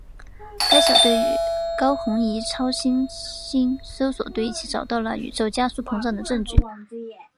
该小队与高红移超新星搜寻队一起找到了宇宙加速膨胀的证据。